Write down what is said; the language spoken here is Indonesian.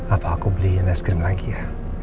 apa aku beli neskrim lagi ya